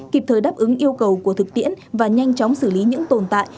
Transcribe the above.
kịp thời đáp ứng yêu cầu của thực tiễn và nhanh chóng xử lý những tồn tại